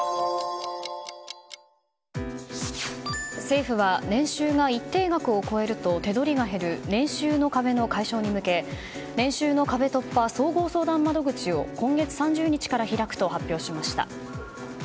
政府は、年収が一定額を超えると手取りが減る年収の壁の解消に向け年収の壁突破総合相談窓口を今月３０日から開くと発表しました。